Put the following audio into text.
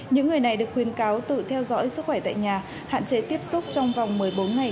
những người này được khuyên cáo tự theo dõi sức khỏe tại nhà hạn chế tiếp xúc trong vòng một mươi bốn ngày